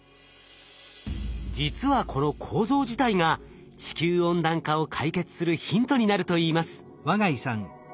実はこの構造自体が地球温暖化を解決するヒントになるといいます。